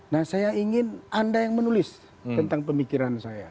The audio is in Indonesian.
nah saya ingin anda yang menulis tentang pemikiran saya